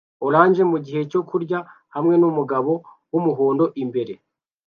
orange mugihe cyo kurya hamwe numugabo wumuhondo imbere